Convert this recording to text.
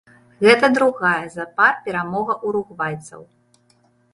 Гэта другая запар перамога уругвайцаў.